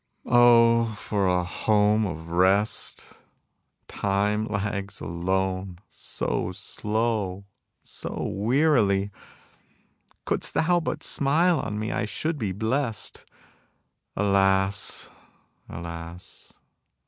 Oh, for a home of rest! Time lags alone so slow, so wearily; Couldst thou but smile on me, I should be blest. Alas, alas!